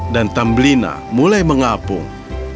dan tambelina mulai mengapung